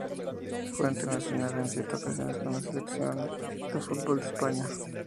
Fue internacional en siete ocasiones con la selección de fútbol de España.